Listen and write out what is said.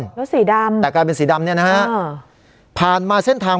แล้วสีดำแต่กลายเป็นสีดำเนี่ยนะฮะผ่านมาเส้นทาง